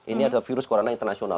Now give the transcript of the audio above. ini adalah virus corona international